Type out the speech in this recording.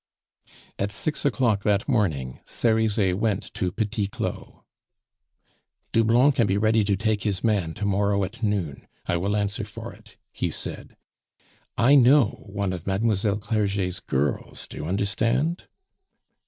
At six o'clock that morning Cerizet went to Petit Claud. "Doublon can be ready to take his man to morrow at noon, I will answer for it," he said; "I know one of Mlle. Clerget's girls, do you understand?"